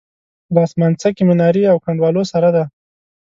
له اسمانڅکې منارې او کنډوالو سره ده.